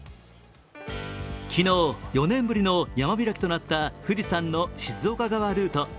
昨日、４年ぶりの山開きとなった富士山の静岡側ルート。